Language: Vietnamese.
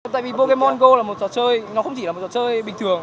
tại vì pokemon go là một trò chơi nó không chỉ là một trò chơi bình thường